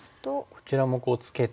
こちらもツケて。